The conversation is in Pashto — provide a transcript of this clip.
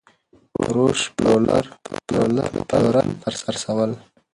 فروش √ پلورل خرڅول